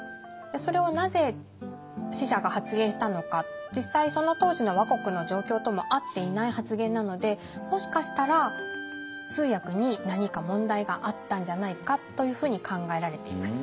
それをなぜ使者が発言したのか実際その当時の倭国の状況とも合っていない発言なのでもしかしたら通訳に何か問題があったんじゃないかというふうに考えられています。